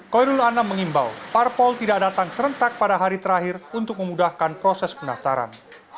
koirul anam mengimbau parpol tidak datang serentak pada hari terakhir untuk memudahkan proses pendaftaran